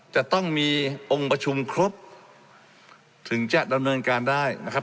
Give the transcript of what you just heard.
จะต้องมีองค์ประชุมครบถึงจะดำเนินการได้นะครับ